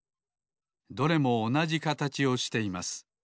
どれもおなじかたちをしています。